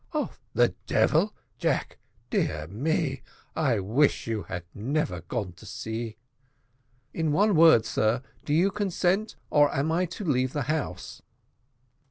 "Of the devil, Jack; dear me! I wish you had never gone to sea." "In one word, sir, do you consent, or am I to leave the house?"